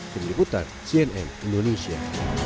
dari liputan cnm indonesia